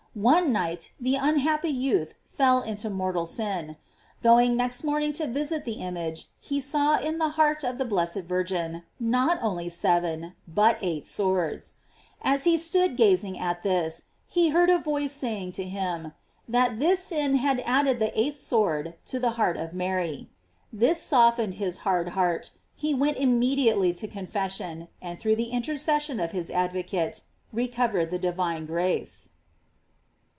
One night the unhappy youth fell into mortal sin. Going next morning to visit the image, he saw in the heart of the blessed Virgin not only seven, but eight swords. As he stood gazing at this, he heard a voice saying to him, that this sin had added the eighth sword to the heart of Mary. This soften ed his hard heart; he went immediately to con fession, and through the intercession of his ad« Tocate, recovered the divine grace.